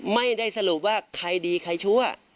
ไม่ได้สรุปว่าใครดีใครชั่ว